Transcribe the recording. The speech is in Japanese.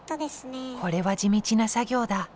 これは地道な作業だ